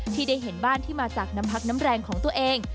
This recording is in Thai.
ที่ได้เห็นบ้านที่มาจากน้ำพักน้ำแรงของตัวเอง